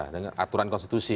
dengan aturan konstitusi